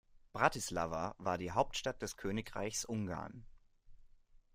Bratislava war die Hauptstadt des Königreichs Ungarn.